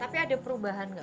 tapi ada perubahan nggak